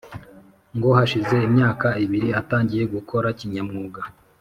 Ngo hashize imyaka ibiri atangiye gukora kinyamwuga